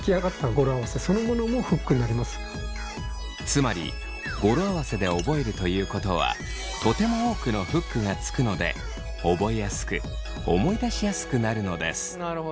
つまり語呂合わせで覚えるということはとても多くのフックがつくので覚えやすく思い出しやすくなるのです。